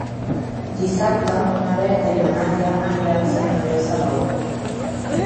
Dissabte na Berta i na Nàdia aniran a Sant Andreu Salou.